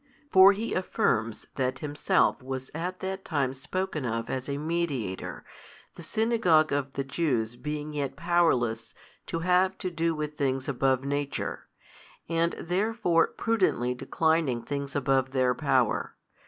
For he affirms that himself |308 was at that time spoken of as a mediator, the Synagogue of the Jews being yet powerless to have to do with things above nature, and therefore prudently declining things above their power.